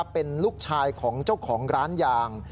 เป็นลูกชายของเจ้าของร้านยาง